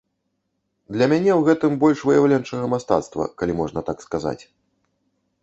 Для мяне у гэтым больш выяўленчага мастацтва, калі можна так сказаць.